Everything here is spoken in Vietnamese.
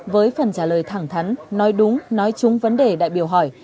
với phần trả lời thẳng thắn nói đúng nói chung vấn đề đại biểu hỏi